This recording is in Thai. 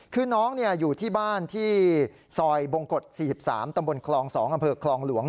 คือน้องอยู่ที่บ้านที่ซอยบงกฎ๔๓ตำบลคลอง๒อำเภอคลองหลวง